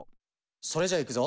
それじゃあいくぞ。